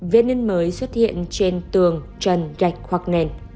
vết nứn mới xuất hiện trên tường trần gạch hoặc nền